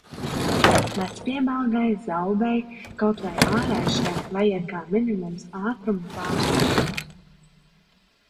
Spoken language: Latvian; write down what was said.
Vecpiebalgai, Zaubei, kaut vai Āraišiem vajag kā minimums ātrumu pārslēgus.